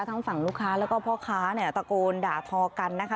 ทั้งฝั่งลูกค้าแล้วก็พ่อค้าเนี่ยตะโกนด่าทอกันนะคะ